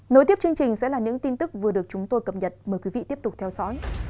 nối tiếp chương trình sẽ là những tin tức vừa được chúng tôi cập nhật mời quý vị tiếp tục theo dõi